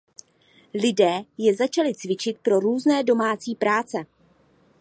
Lidé je začali cvičit pro různé domácí práce.